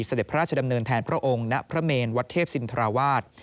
เสด็จพระราชดำเนินแทนพระองค์ณพระเมนวัดเทพศินทราวาส